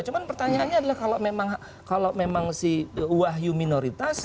cuma pertanyaannya adalah kalau memang si wahyu minoritas